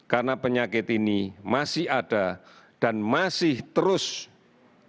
karena penyakit ini masih ada dan masih terus berjalan